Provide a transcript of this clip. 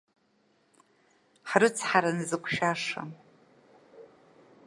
Ҳрыцҳара назықәшәаша!